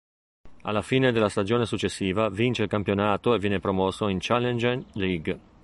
Alla fine della stagione successiva vince il campionato e viene promosso in Challenge League.